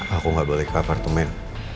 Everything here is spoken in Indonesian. aku nggak boleh ke apartemen